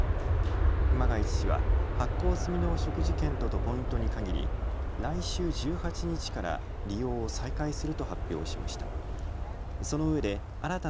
熊谷知事は発行済みの食事券とポイントに限り来週１８日から利用を再開すると発表しました。